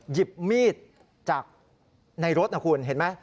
หยิบมีดจากในรถนะคุณเห็นไหม